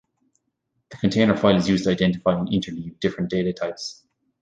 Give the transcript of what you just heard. The container file is used to identify and interleave different data types.